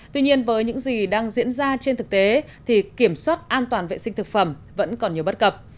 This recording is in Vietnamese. tuy nhiên với những gì đang diễn ra trên thực tế thì kiểm soát an toàn vệ sinh thực phẩm vẫn còn nhiều bất cập